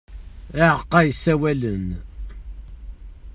Aɛeqqa yessawalen.